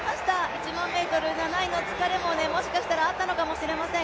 １００００ｍ、７位の疲れももしかしたらあったのかもしれません。